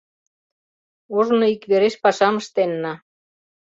Ожно иквереш пашам ыштенна.